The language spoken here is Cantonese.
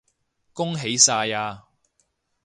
恭喜晒呀